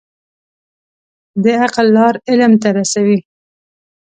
د عقل لار علم ته رسوي.